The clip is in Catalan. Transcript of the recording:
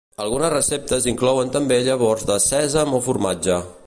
Algunes receptes inclouen també llavors de sèsam o formatge.